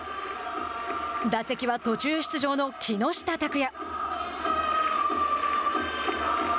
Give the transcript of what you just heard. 打席は途中出場の木下拓哉。